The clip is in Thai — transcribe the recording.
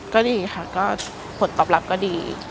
ก็ดีค่ะก็ผลตอบรับก็ดี